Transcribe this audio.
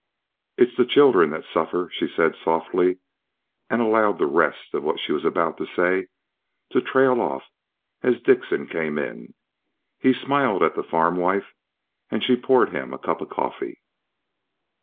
"It's the children that suffer..." she said softly and allowed the rest of what she was about to say trail off as Dickson came in. He smiled at the farmwife and she poured him a cup of coffee.